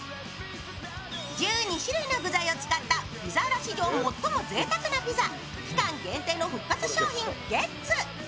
１２種類の具材を使ったピザーラ史上最もぜいたくなピザ期間限定の復活商品、ゲッツ。